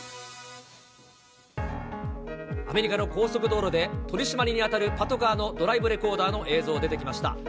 アメリカの高速道路で取締りに当たるパトカーのドライブレコーダーの映像、出てきました。